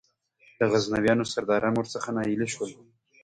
د غزنویانو سرداران ور څخه ناهیلي شول.